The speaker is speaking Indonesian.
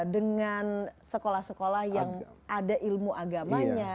dengan sekolah sekolah yang ada ilmu agamanya